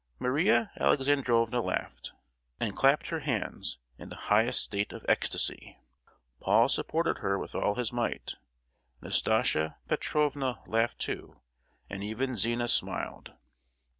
Maria Alexandrovna laughed, and clapped her hands in the highest state of ecstasy; Paul supported her with all his might; Nastasia Petrovna laughed too; and even Zina smiled.